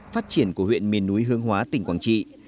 phát triển của huyện miền núi hương hóa tỉnh quảng trị